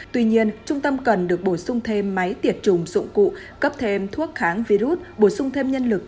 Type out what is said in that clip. tuy nhiên trung tâm cần được bổ sung thêm máy tiệt trùng dụng cụ cấp thêm thuốc kháng virus bổ sung thêm nhân lực